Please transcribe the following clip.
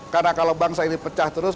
karena kalau bangsa ini pecah terus